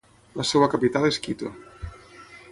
La seva capital és Quito.